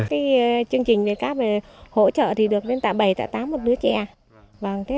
cái chương trình này các hỗ trợ thì được lên tạm bảy tạm tám một đứa trè